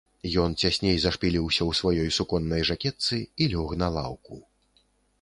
Ён цясней зашпіліўся ў сваёй суконнай жакетцы і лёг на лаўку.